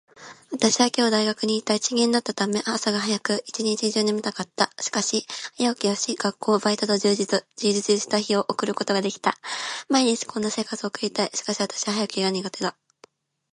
私は今日大学に行った。一限だったため、朝が早く、一日中眠たかった。しかし、早起きをし、学校、バイトと充実した日を送ることができた。毎日こんな生活を送りたい。しかし私は早起きが苦手だ。